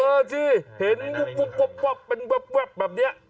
เออสิเห็นเป็นแวบแบบนี้